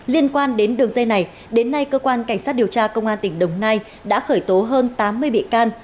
liên quan đến đường dây này đến nay cơ quan cảnh sát điều tra công an tỉnh đồng nai đã khởi tố hơn tám mươi bị can